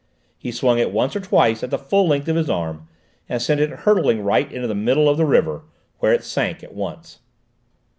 He swung it once or twice at the full length of his arm, and sent it hurtling right into the middle of the river, where it sank at once.